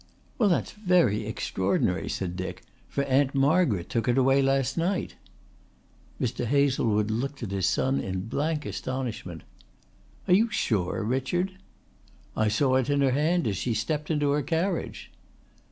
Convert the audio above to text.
"Well, that's very extraordinary," said Dick, "for Aunt Margaret took it away last night." Mr. Hazlewood looked at his son in blank astonishment. "Are you sure, Richard?" "I saw it in her hand as she stepped into her carriage."